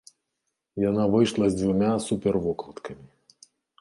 Яна выйшла з дзвюма супервокладкамі.